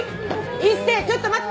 一星ちょっと待って！